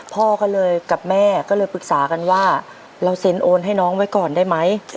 พ่อก็เลยกับแม่ก็เลยปรึกษากันว่าเราเซ็นโอนให้น้องไว้ก่อนได้ไหม